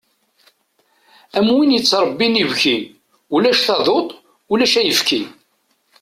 Am win yettrebbin ibki, ulac taduṭ ulac ayefki.